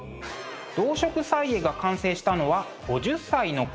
「動植綵絵」が完成したのは５０歳の頃。